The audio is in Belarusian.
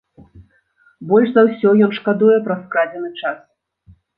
Больш за ўсё ён шкадуе пра скрадзены час.